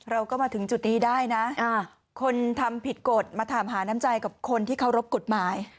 เราก็มาถึงจุดนี้ได้นะคนทำผิดกฎมาถามหาน้ำใจกับคนที่เคารพกฎหมาย